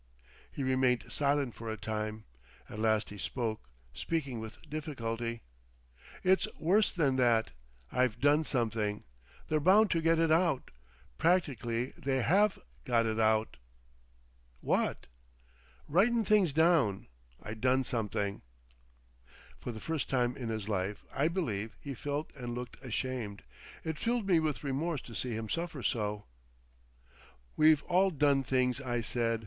He remained silent for a time. At last he spoke—speaking with difficulty. "It's worse than that. I've done something. They're bound to get it out. Practically they have got it out." "What?" "Writin' things down—I done something." For the first time in his life, I believe, he felt and looked ashamed. It filled me with remorse to see him suffer so. "We've all done things," I said.